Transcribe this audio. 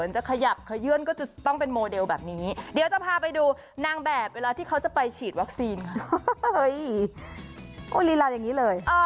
จะเดินยายาหย